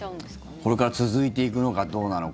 これから続いていくのかどうなのか。